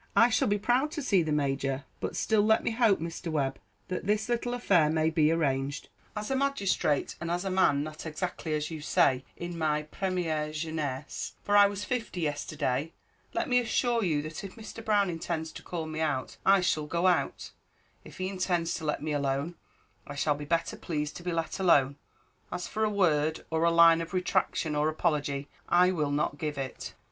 "I shall be proud to see the Major; but still let me hope, Mr. Webb, that this little affair may be arranged. As a magistrate, and as a man, I may say, not exactly in your première jeunesse " "As a magistrate, and as a man not exactly, as you say, in my première jeunesse, for I was fifty yesterday, let me assure you that if Mr. Brown intends to call me out, I shall go out. If he intends to let me alone, I shall be better pleased to be let alone; as for a word, or a line of retractation or apology, I will not give it."